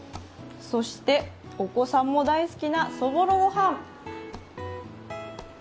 そして、お子さんも大好きなそぼろごはん。